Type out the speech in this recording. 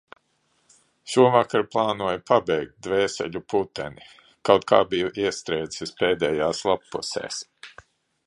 Šovakar plānoju pabeigt "Dvēseļu puteni". Kaut kā biju iestrēdzis pēdējās lappusēs.